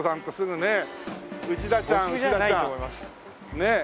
ねえ。